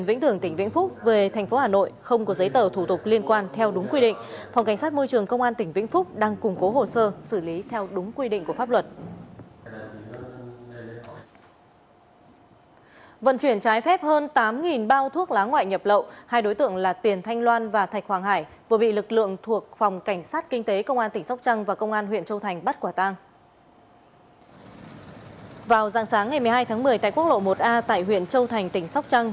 vào ràng sáng ngày một mươi hai tháng một mươi tại quốc lộ một a tại huyện châu thành tỉnh sóc trăng